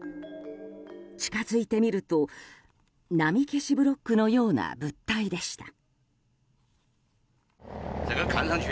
近づいてみると波消しブロックのような物体でした。